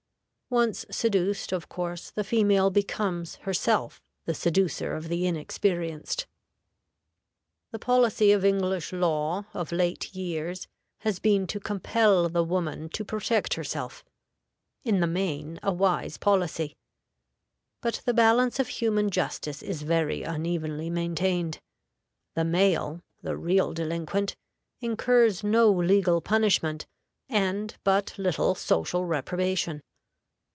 Once seduced, of course the female becomes herself the seducer of the inexperienced. The policy of English law, of late years, has been to compel the woman to protect herself in the main, a wise policy. But the balance of human justice is very unevenly maintained. The male, the real delinquent, incurs no legal punishment, and but little social reprobation.